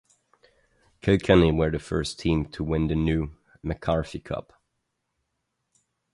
Kilkenny were the first team to win the 'new' MacCarthy Cup.